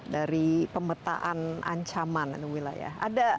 dari pemetaan ancaman wilayah